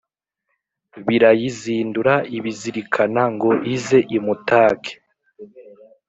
Birayizindura ibizirikana Ngo ize imutake